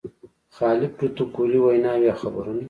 خالي پروتوکولي ویناوې او خبرونه.